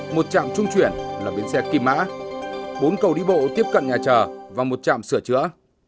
một chạm trung chuyển là biến xe kim mã bốn cầu đi bộ tiếp cận nhà chở và một chạm sửa chữa